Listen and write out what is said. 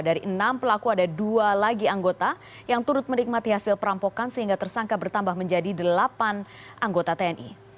dari enam pelaku ada dua lagi anggota yang turut menikmati hasil perampokan sehingga tersangka bertambah menjadi delapan anggota tni